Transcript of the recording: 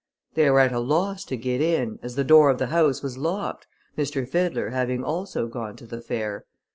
They were at a loss to get in, as the door of the house was locked, M. Fiddler having also gone to the fair.